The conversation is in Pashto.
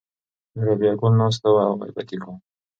رابعه ګل ناسته وه او غیبت یې کاوه.